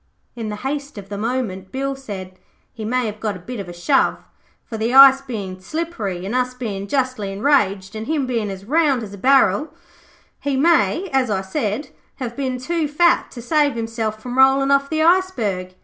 'In the haste of the moment,' said Bill, 'he may have got a bit of a shove, for the ice bein' slippy, and us bein' justly enraged, and him bein' as round as a barrel, he may, as I said, have been too fat to save himself from rollin' off the iceberg.